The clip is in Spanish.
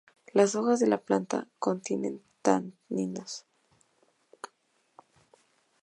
Las hojas de la planta contienen taninos.